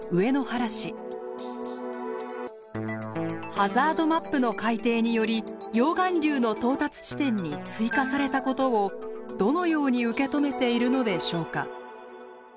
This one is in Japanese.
ハザードマップの改定により溶岩流の到達地点に追加されたことをどのように受け止めているのでしょうか？